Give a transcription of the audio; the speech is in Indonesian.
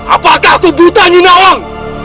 apakah aku buta jinawan